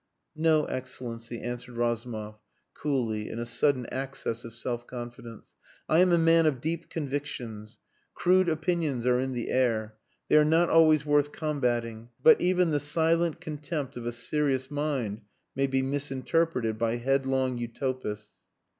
"No, Excellency," answered Razumov, coolly, in a sudden access of self confidence. "I am a man of deep convictions. Crude opinions are in the air. They are not always worth combating. But even the silent contempt of a serious mind may be misinterpreted by headlong utopists."